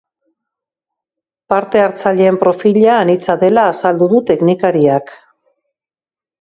Parte hartzaileen profila anitza dela azaldu du teknikariak.